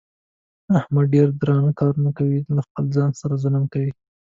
احمد ډېر درانه کارونه کوي. له خپل ځان سره ظلم کوي.